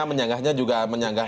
menyanggahnya juga menyanggah